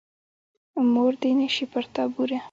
مور دې نه شي پر تا بورې.